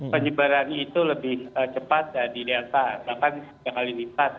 penyebaran itu lebih cepat dari delta